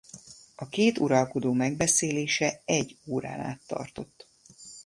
A két uralkodó megbeszélése egy órán át tartott.